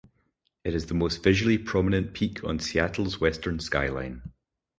It is the most visually prominent peak on Seattle's western skyline.